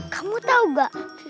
kamu tahu gak